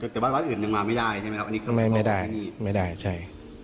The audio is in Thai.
แต่ว่าวัดอื่นยังมาไม่ได้ใช่ไหมครับไม่ได้ไม่ได้ใช่